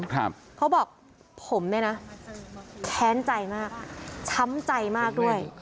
เขาบอกผมเนี่ยนะแค้นใจมากช้ำใจมากด้วย